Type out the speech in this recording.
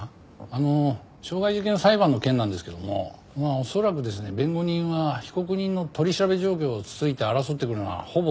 あの傷害事件裁判の件なんですけども恐らくですね弁護人は被告人の取り調べ状況をつついて争ってくるのはほぼ確実です。